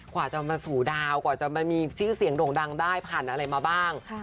กว่าจะมาสู่ดาวกว่าจะมามีชื่อเสียงโด่งดังได้ผ่านอะไรมาบ้าง